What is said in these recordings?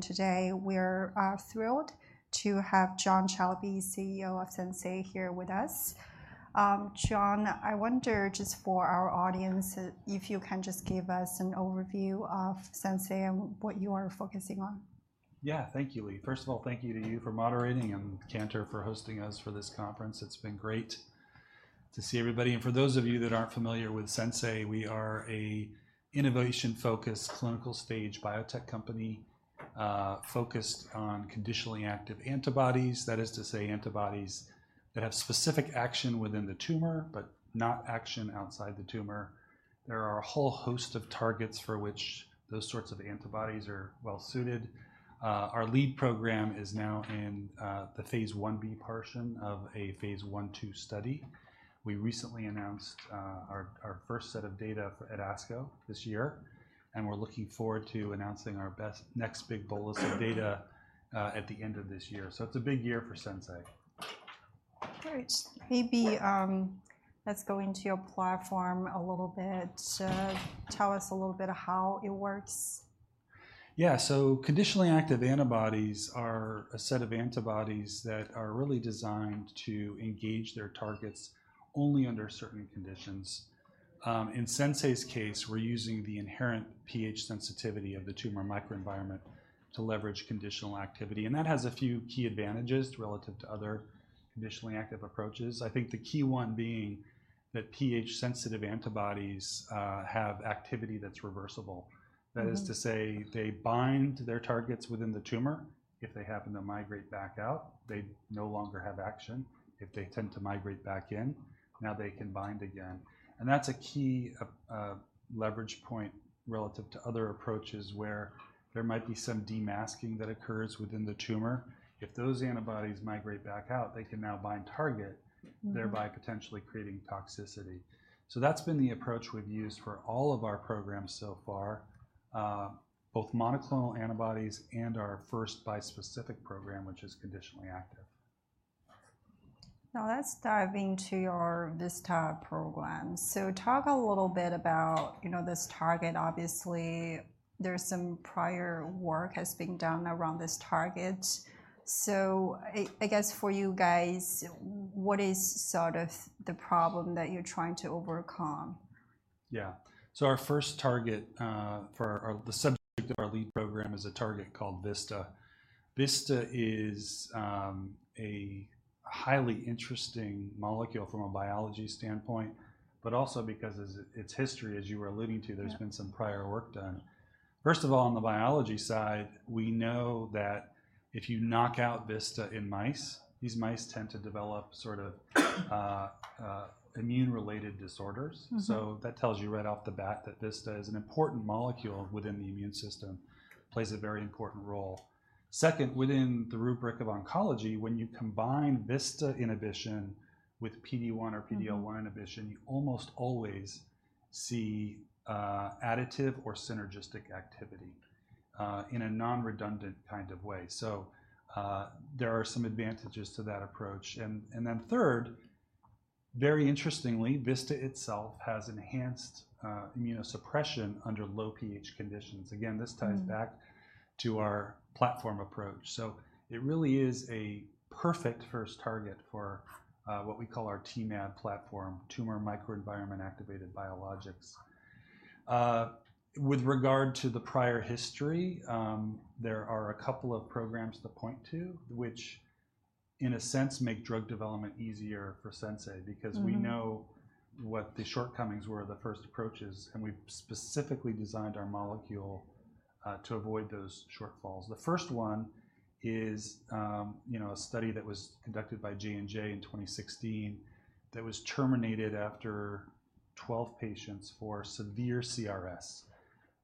Today we're thrilled to have John Celebi, CEO of Sensei, here with us. John, I wonder, just for our audience, if you can just give us an overview of Sensei and what you are focusing on. Yeah. Thank you, Li. First of all, thank you to you for moderating and Cantor for hosting us for this conference. It's been great to see everybody, and for those of you that aren't familiar with Sensei, we are an innovation-focused, clinical-stage biotech company, focused on conditionally active antibodies. That is to say, antibodies that have specific action within the tumor, but not action outside the tumor. There are a whole host of targets for which those sorts of antibodies are well-suited. Our lead program is now in the Phase 1b portion of a Phase 1/2 study. We recently announced our first set of data at ASCO this year, and we're looking forward to announcing our best next big bolus of data at the end of this year, so it's a big year for Sensei. Great. Maybe, let's go into your platform a little bit. Tell us a little bit of how it works. Yeah. So conditionally active antibodies are a set of antibodies that are really designed to engage their targets only under certain conditions. In Sensei's case, we're using the inherent pH sensitivity of the tumor microenvironment to leverage conditional activity, and that has a few key advantages relative to other conditionally active approaches. I think the key one being that pH-sensitive antibodies have activity that's reversible. That is to say, they bind to their targets within the tumor. If they happen to migrate back out, they no longer have action. If they tend to migrate back in, now they can bind again. And that's a key leverage point relative to other approaches, where there might be some de-masking that occurs within the tumor. If those antibodies migrate back out, they can now bind target thereby potentially creating toxicity. So that's been the approach we've used for all of our programs so far, both monoclonal antibodies and our first bispecific program, which is conditionally active. Now let's dive into your VISTA program. So talk a little bit about, you know, this target. Obviously, there's some prior work has been done around this target. So I guess for you guys, what is sort of the problem that you're trying to overcome? Yeah. So our first target, for our, the subject of our lead program is a target called VISTA. VISTA is a highly interesting molecule from a biology standpoint, but also because its history, as you were alluding to there's been some prior work done. First of all, on the biology side, we know that if you knock out VISTA in mice, these mice tend to develop sort of, immune-related disorders. So that tells you right off the bat that VISTA is an important molecule within the immune system, plays a very important role. Second, within the rubric of oncology, when you combine VISTA inhibition with PD-1 or PD-L1 inhibition you almost always see, additive or synergistic activity, in a non-redundant kind of way. So, there are some advantages to that approach. And then third, very interestingly, VISTA itself has enhanced, immunosuppression under low pH conditions. Again, this ties back to our platform approach. So it really is a perfect first target for what we call our TMAb platform, Tumor Microenvironment Activated Biologics. With regard to the prior history, there are a couple of programs to point to, which, in a sense, make drug development easier for Sensei because we know what the shortcomings were of the first approaches, and we've specifically designed our molecule to avoid those shortfalls. The first one is, you know, a study that was conducted by J&J in 2016 that was terminated after 12 patients for severe CRS.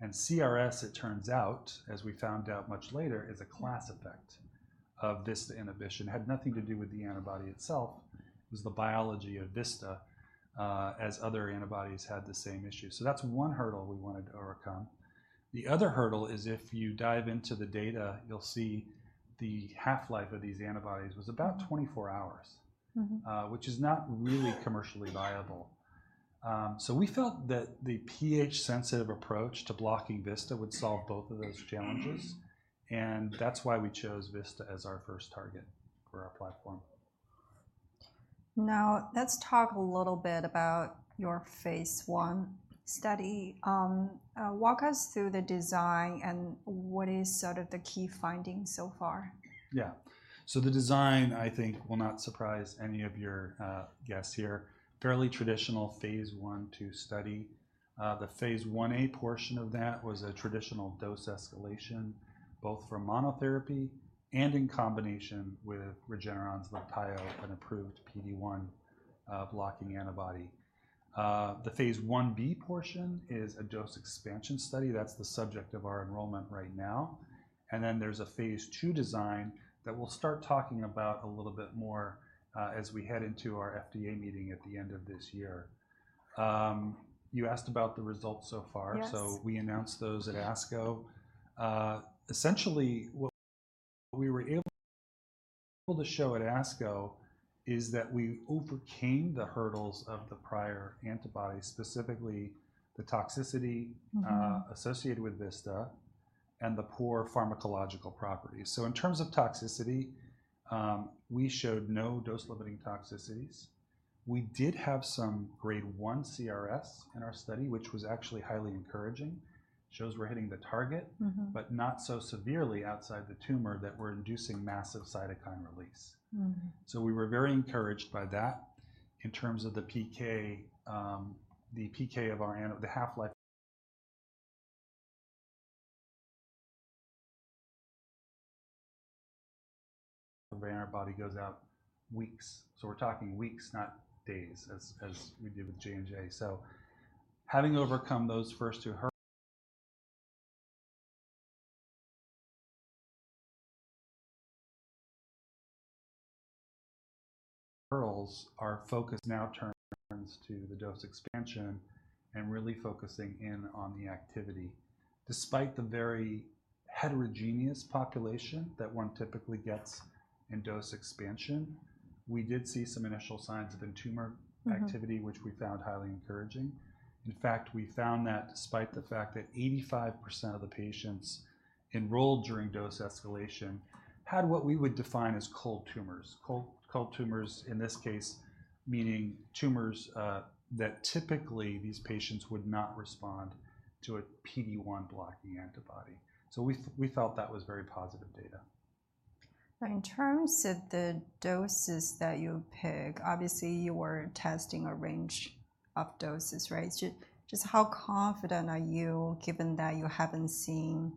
And CRS, it turns out, as we found out much later, is a class effect of VISTA inhibition. Had nothing to do with the antibody itself, it was the biology of VISTA, as other antibodies had the same issue. So that's one hurdle we wanted to overcome. The other hurdle is, if you dive into the data, you'll see the half-life of these antibodies was about 24 hours which is not really commercially viable. So we felt that the pH-sensitive approach to blocking VISTA would solve both of those challenges, and that's why we chose VISTA as our first target for our platform. Now, let's talk a little bit about your phase one study. Walk us through the design and what is sort of the key findings so far? Yeah. So the design, I think, will not surprise any of your guests here. Fairly traditional Phase 1/2 study. The Phase 1a portion of that was a traditional dose escalation, both for monotherapy and in combination with Regeneron's Libtayo, an approved PD-1 blocking antibody. The Phase 1b portion is a dose expansion study. That's the subject of our enrollment right now. And then there's a Phase 2 design that we'll start talking about a little bit more, as we head into our FDA meeting at the end of this year. You asked about the results so far? Yes. So we announced those at ASCO. Essentially, what we were able to show at ASCO is that we overcame the hurdles of the prior antibody, specifically the toxicity associated with VISTA and the poor pharmacological properties. So in terms of toxicity, we showed no dose-limiting toxicities. We did have some Grade 1 CRS in our study, which was actually highly encouraging. Shows we're hitting the target. But not so severely outside the tumor that we're inducing massive cytokine release. So we were very encouraged by that. In terms of the PK, the PK of our antibody of the half-life in our body goes out weeks. So we're talking weeks, not days, as we did with J&J. So having overcome those first two hurdles, our focus now turns to the dose expansion and really focusing in on the activity. Despite the very heterogeneous population that one typically gets in dose expansion, we did see some initial signs of in-tumor activity. Which we found highly encouraging. In fact, we found that despite the fact that 85% of the patients enrolled during dose escalation had what we would define as cold tumors. Cold, cold tumors, in this case, meaning tumors that typically these patients would not respond to a PD-1 blocking antibody. So we felt that was very positive data. Now, in terms of the doses that you pick, obviously, you were testing a range of doses, right? Just how confident are you, given that you haven't seen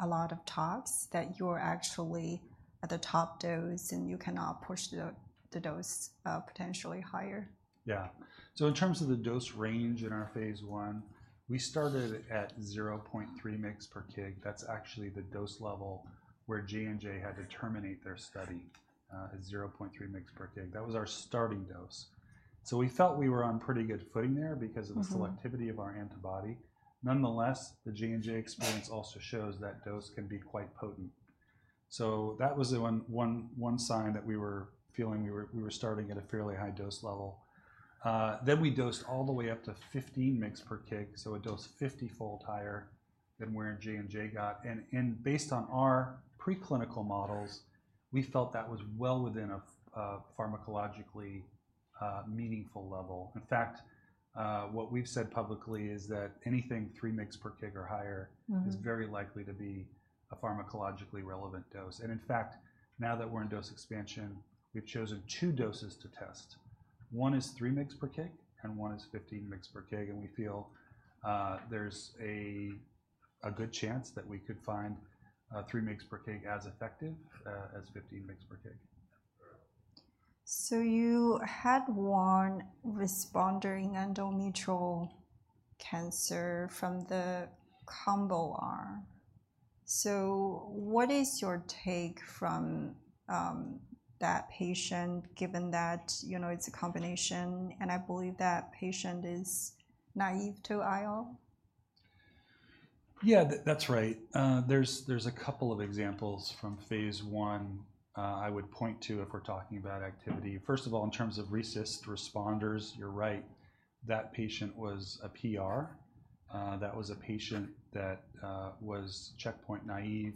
a lot of talks, that you're actually at the top dose, and you cannot push the dose potentially higher? Yeah. So in terms of the dose range in our phase one, we started at 0.3 mg per kg. That's actually the dose level where J&J had to terminate their study at 0.3 mg per kg. That was our starting dose. So we felt we were on pretty good footing there because of the selectivity of our antibody. Nonetheless, the J&J experience also shows that dose can be quite potent. So that was the one sign that we were feeling we were starting at a fairly high dose level. Then we dosed all the way up to 15 mg per kg, so a dose 50-fold higher than where J&J got. And based on our preclinical models, we felt that was well within a pharmacologically meaningful level. In fact, what we've said publicly is that anything 3 mg per kg or higher is very likely to be a pharmacologically relevant dose, and in fact, now that we're in dose expansion, we've chosen two doses to test. One is three mg per kg, and one is 15 mg per kg, and we feel there's a good chance that we could find three mg per kg as effective as 15 mg per kg. So you had one responder in endometrial cancer from the combo arm. So what is your take from that patient, given that, you know, it's a combination, and I believe that patient is naive to IO? Yeah, that's right. There's a couple of examples from Phase 1 I would point to if we're talking about activity. First of all, in terms of RECIST responders, you're right. That patient was a PR. That was a patient that was checkpoint naive,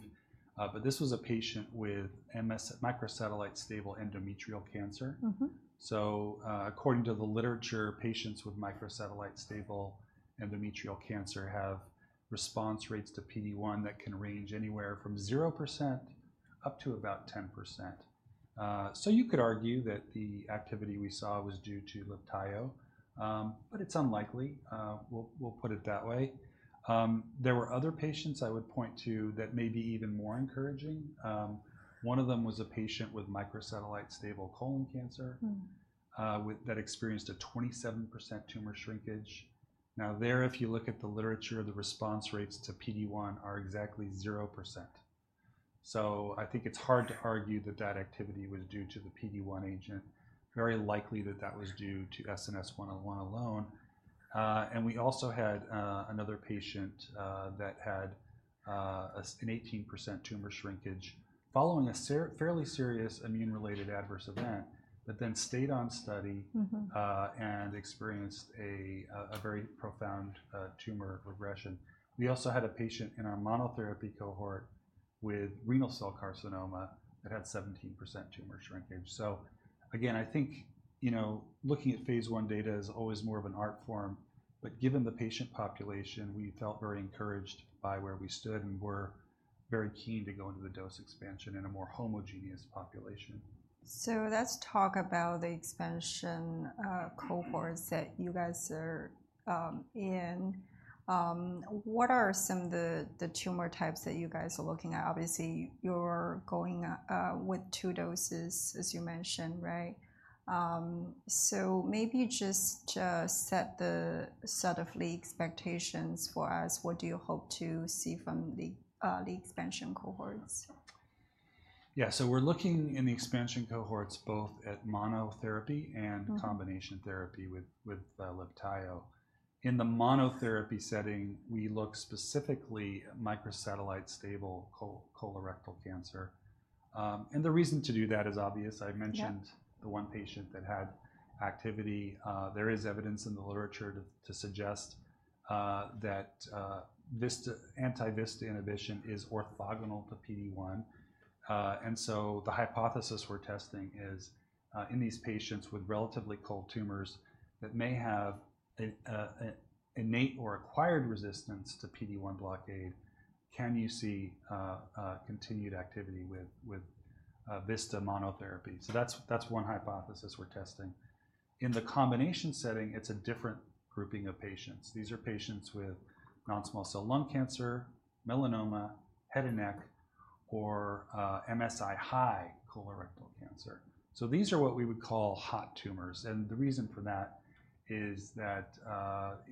but this was a patient with MSS, microsatellite stable endometrial cancer. So, according to the literature, patients with microsatellite stable endometrial cancer have response rates to PD-1 that can range anywhere from 0% up to about 10%. So you could argue that the activity we saw was due to Libtayo, but it's unlikely. We'll put it that way. There were other patients I would point to that may be even more encouraging. One of them was a patient with microsatellite stable colon cancer with that experienced a 27% tumor shrinkage. Now, there, if you look at the literature, the response rates to PD-1 are exactly 0%. So I think it's hard to argue that that activity was due to the PD-1 agent, very likely that that was due to SNS-101 alone. And we also had another patient that had an 18% tumor shrinkage following a fairly serious immune-related adverse event but then stayed on study and experienced a very profound tumor regression. We also had a patient in our monotherapy cohort with renal cell carcinoma that had 17% tumor shrinkage. So again, I think, you know, looking at Phase 1 data is always more of an art form, but given the patient population, we felt very encouraged by where we stood, and we're very keen to go into the dose expansion in a more homogeneous population. Let's talk about the expansion cohorts that you guys are in. What are some of the tumor types that you guys are looking at? Obviously, you're going with two doses, as you mentioned, right? Maybe just set the expectations for us. What do you hope to see from the expansion cohorts? Yeah. So we're looking in the expansion cohorts, both at monotherapy and combination therapy with Libtayo. In the monotherapy setting, we look specifically at microsatellite stable colorectal cancer, and the reason to do that is obvious. Yeah. I mentioned the one patient that had activity. There is evidence in the literature to suggest that VISTA, anti-VISTA inhibition is orthogonal to PD-1. And so the hypothesis we're testing is in these patients with relatively cold tumors that may have a innate or acquired resistance to PD-1 blockade, can you see continued activity with VISTA monotherapy? So that's one hypothesis we're testing. In the combination setting, it's a different grouping of patients. These are patients with non-small cell lung cancer, melanoma, head and neck, or MSI-high colorectal cancer. So these are what we would call hot tumors, and the reason for that is that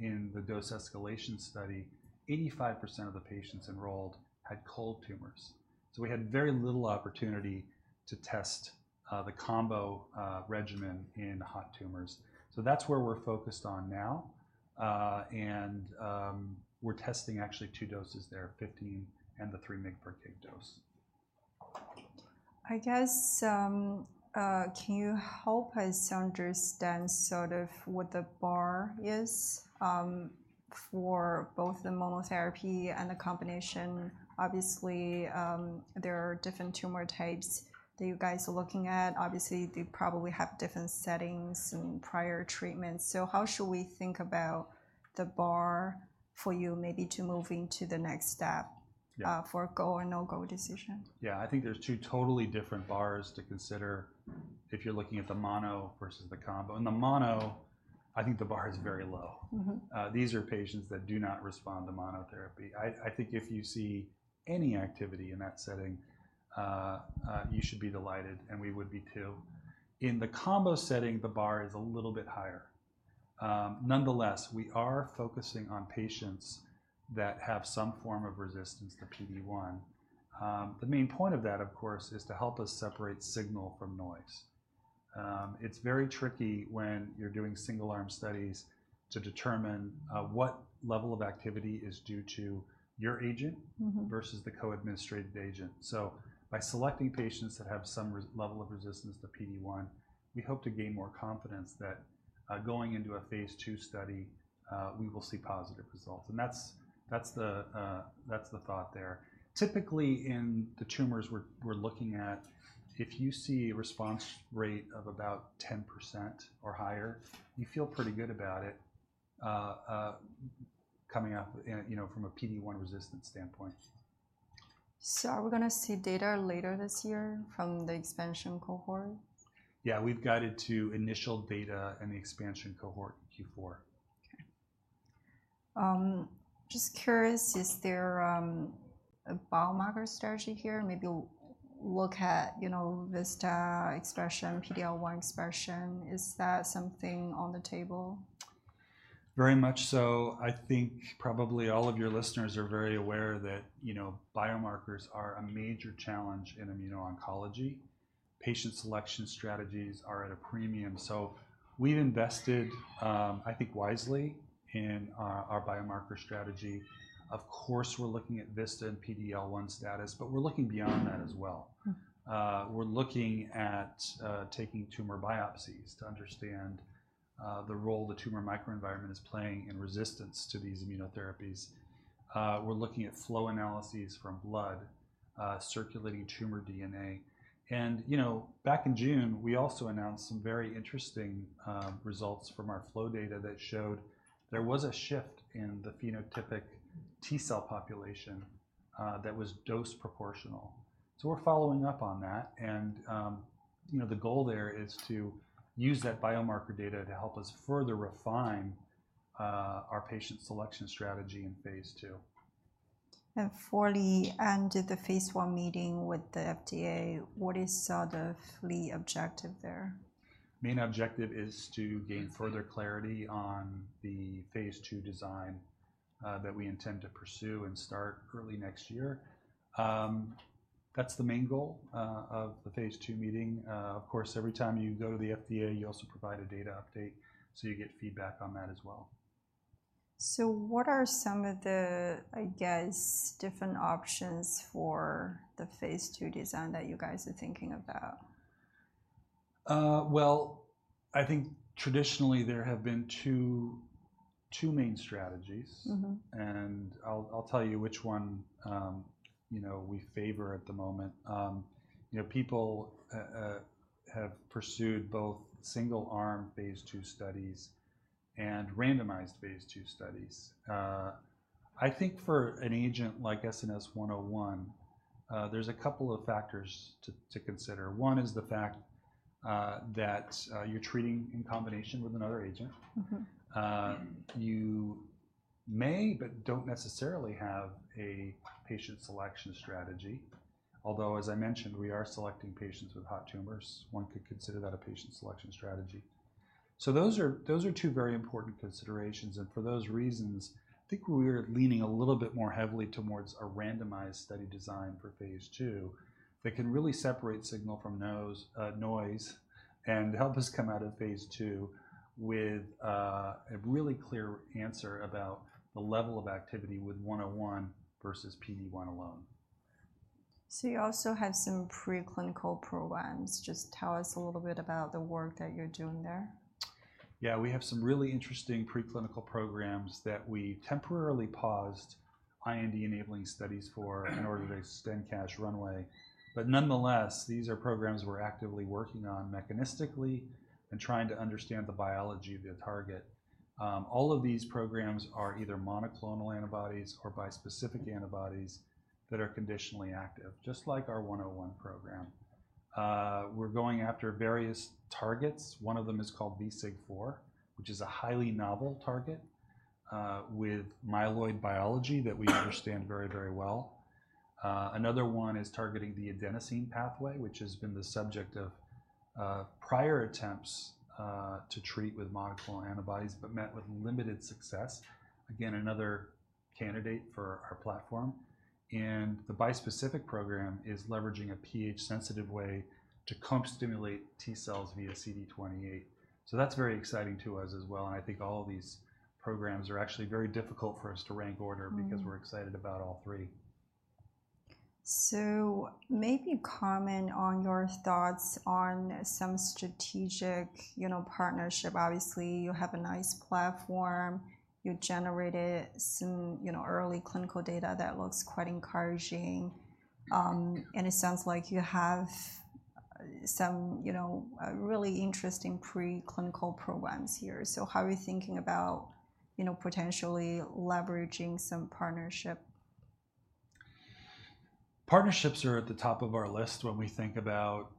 in the dose escalation study, 85% of the patients enrolled had cold tumors. So we had very little opportunity to test the combo regimen in the hot tumors. So that's where we're focused on now. And we're testing actually two doses there, fifteen and the three mg per kg dose. I guess, can you help us to understand sort of what the bar is, for both the monotherapy and the combination? Obviously, there are different tumor types that you guys are looking at. Obviously, they probably have different settings and prior treatments. So how should we think about the bar for you maybe to moving to the next step for a go or no-go decision? Yeah. I think there's two totally different bars to consider if you're looking at the mono versus the combo. In the mono, I think the bar is very low. These are patients that do not respond to monotherapy. I think if you see any activity in that setting, you should be delighted, and we would be, too. In the combo setting, the bar is a little bit higher. Nonetheless, we are focusing on patients that have some form of resistance to PD-1. The main point of that, of course, is to help us separate signal from noise. It's very tricky when you're doing single-arm studies to determine what level of activity is due to your agent versus the co-administered agent. So by selecting patients that have some level of resistance to PD-1, we hope to gain more confidence that, going into a Phase II study, we will see positive results, and that's the thought there. Typically, in the tumors we're looking at, if you see a response rate of about 10% or higher, you feel pretty good about it, coming up, and, you know, from a PD-1 resistance standpoint. So are we gonna see data later this year from the expansion cohort? Yeah. We've guided to initial data in the expansion cohort Q4. Okay. Just curious, is there a biomarker strategy here? Maybe look at, you know, VISTA expression, PD-L1 expression. Is that something on the table? Very much so. I think probably all of your listeners are very aware that, you know, biomarkers are a major challenge in immuno-oncology. Patient selection strategies are at a premium, so we've invested, I think wisely, in our biomarker strategy. Of course, we're looking at VISTA and PD-L1 status, but we're looking beyond that as well. We're looking at taking tumor biopsies to understand the role the tumor microenvironment is playing in resistance to these immunotherapies. We're looking at flow analyses from blood, circulating tumor DNA, and you know, back in June, we also announced some very interesting results from our flow data that showed there was a shift in the phenotypic T cell population that was dose proportional, so we're following up on that, and you know, the goal there is to use that biomarker data to help us further refine our patient selection strategy in Phase II. The Phase I meeting with the FDA, what is the primary objective there? Main objective is to gain further clarity on the Phase II design that we intend to pursue and start early next year. That's the main goal of the Phase II meeting. Of course, every time you go to the FDA, you also provide a data update, so you get feedback on that as well. So what are some of the, I guess, different options for the Phase II design that you guys are thinking about? I think traditionally there have been two main strategies. I'll tell you which one, you know, we favor at the moment. You know, people have pursued both single-arm Phase II studies and randomized Phase II studies. I think for an agent like SNS-101, there's a couple of factors to consider. One is the fact that you're treating in combination with another agent. You may, but don't necessarily have a patient selection strategy, although, as I mentioned, we are selecting patients with hot tumors. One could consider that a patient selection strategy. So those are two very important considerations, and for those reasons, I think we're leaning a little bit more heavily towards a randomized study design for Phase II that can really separate signal from noise, and help us come out of Phase II with a really clear answer about the level of activity with 101 versus PD-1 alone. So you also have some preclinical programs. Just tell us a little bit about the work that you're doing there. Yeah, we have some really interesting preclinical programs that we temporarily paused IND-enabling studies for in order to extend cash runway. But nonetheless, these are programs we're actively working on mechanistically and trying to understand the biology of the target. All of these programs are either monoclonal antibodies or bispecific antibodies that are conditionally active, just like our 101 program. We're going after various targets. One of them is called VSIG4, which is a highly novel target with myeloid biology that we understand very, very well. Another one is targeting the adenosine pathway, which has been the subject of prior attempts to treat with monoclonal antibodies, but met with limited success. Again, another candidate for our platform. And the bispecific program is leveraging a pH-sensitive way to co-stimulate T cells via CD28. So that's very exciting to us as well, and I think all of these programs are actually very difficult for us to rank order because we're excited about all three. So maybe comment on your thoughts on some strategic, you know, partnership. Obviously, you have a nice platform. You generated some, you know, early clinical data that looks quite encouraging. And it sounds like you have some, you know, really interesting preclinical programs here. So how are you thinking about, you know, potentially leveraging some partnership? Partnerships are at the top of our list when we think about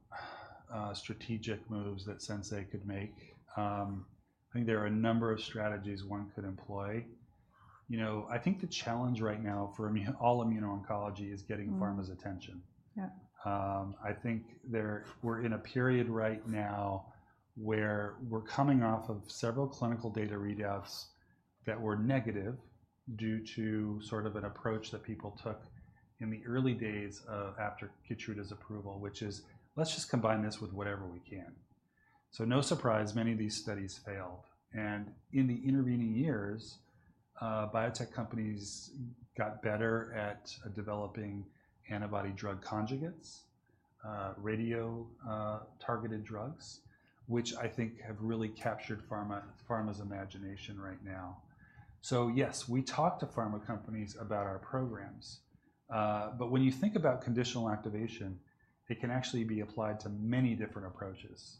strategic moves that Sensei could make. I think there are a number of strategies one could employ. You know, I think the challenge right now for all immuno-oncology is getting pharma's attention. Yeah. I think we're in a period right now where we're coming off of several clinical data readouts that were negative due to sort of an approach that people took in the early days of after Keytruda's approval, which is, "Let's just combine this with whatever we can." So no surprise, many of these studies failed, and in the intervening years, biotech companies got better at developing antibody drug conjugates, radio, targeted drugs, which I think have really captured pharma's imagination right now. So yes, we talk to pharma companies about our programs, but when you think about conditional activation, it can actually be applied to many different approaches.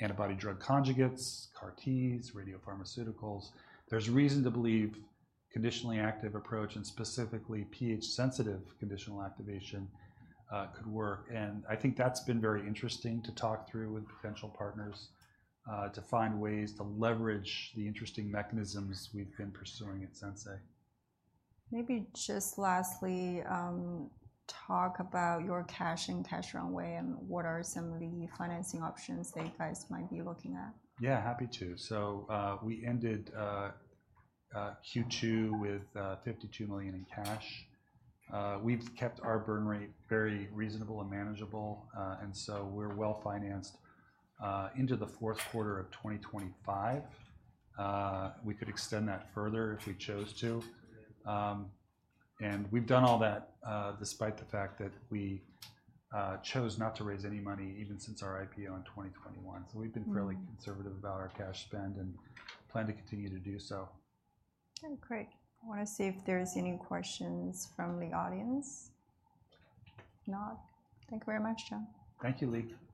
Antibody drug conjugates, CAR Ts, radiopharmaceuticals. There's reason to believe conditionally active approach, and specifically pH-sensitive conditional activation, could work, and I think that's been very interesting to talk through with potential partners, to find ways to leverage the interesting mechanisms we've been pursuing at Sensei. Maybe just lastly, talk about your cash and cash runway, and what are some of the financing options that you guys might be looking at? Yeah, happy to. So, we ended Q2 with $52 million in cash. We've kept our burn rate very reasonable and manageable, and so we're well-financed into the fourth quarter of 2025. We could extend that further if we chose to. And we've done all that despite the fact that we chose not to raise any money, even since our IPO in 2021. So we've been fairly conservative about our cash spend and plan to continue to do so. Okay, great. I want to see if there's any questions from the audience. If not, thank you very much, John. Thank you, Li.